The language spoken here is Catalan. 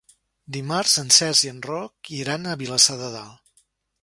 Dimarts en Cesc i en Roc iran a Vilassar de Dalt.